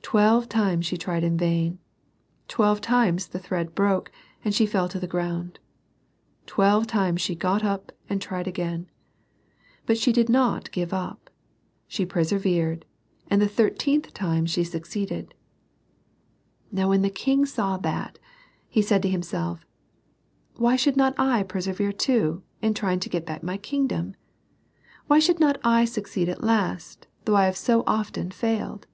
Twelve times she tried in vain : twelve times the thread broke, and she fell to the ground. Twelve times she got up, and tried again. But she did not give up : she per severed, and the thirteenth tima ^\ve, '5^i5:Lc^^<is.<l. 58 SERMONS FOR CHILDREN. Now when the king saw that, he said to him self, " Why should not I persevere too, in trying to get back my kingdom? Why should not I succeed at last, though I have so often failed